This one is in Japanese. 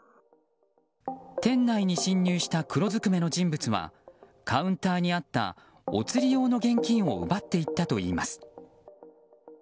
店内に侵入した黒ずくめの人物はカウンターにあったお釣り用の現金を奪っていったといいます。